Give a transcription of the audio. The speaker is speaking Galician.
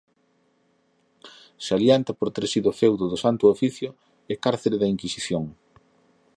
Salienta por ter sido feudo do Santo Oficio e cárcere da Inquisición.